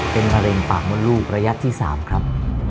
เป็นมะเร็งปากมดลูกระยะที่๓ครับ